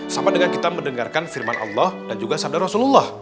sama dengan kita mendengarkan firman allah dan juga sadar rasulullah